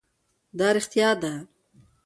دا رښتیا ده